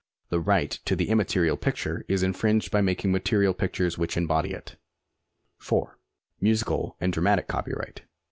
The right to the imniaierial picture is infringed by making material pictures which embody it. 4. Musical and dramatic copyright.